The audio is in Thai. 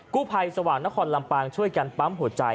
กู้ภัยสว่างนครลำปางช่วยกันปั๊มหัวใจ